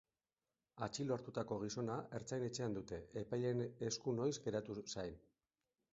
Atxilo hartutako gizona ertzain-etxean dute, epailearen esku noiz geratu zain.